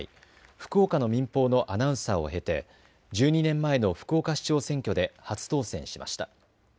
福岡の民放のアナウンサーを経て１２年前の福岡市長選挙で初当選しました。